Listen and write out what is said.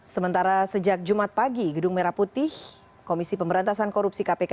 sementara sejak jumat pagi gedung merah putih komisi pemberantasan korupsi kpk